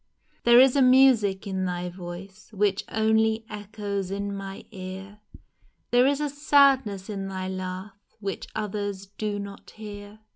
There is a music in thy voice Which only echoes in my ear, There is a sadness in thy laugh Which others do not hear